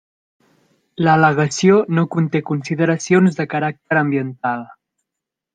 L'al·legació no conté consideracions de caràcter ambiental.